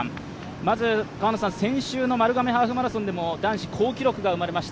まず、先週の丸亀ハーフマラソンでも男子好記録が生まれました。